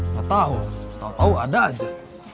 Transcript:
gak tau gak tau tahu ada aja